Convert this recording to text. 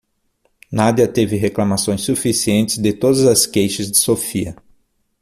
Nadia teve reclamações suficientes de todas as queixas de Sofia.